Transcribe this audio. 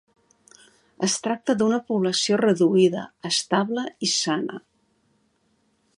Es tracta d'una població reduïda, estable i sana.